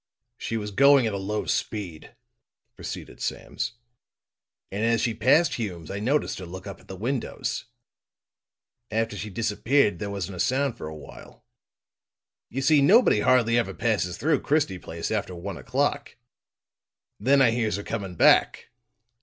"She was going at a low speed," proceeded Sams, "and as she passed Hume's I noticed her look up at the windows. After she disappeared there wasn't a sound for a while. You see, nobody hardly ever passes through Christie Place after one o'clock. Then I hears her coming back.